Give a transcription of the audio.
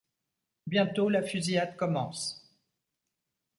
Bientôt la fusillade commence.